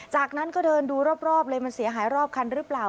จากนั้นก็เดินดูรอบเลยมันเสียหายรอบคันหรือเปล่า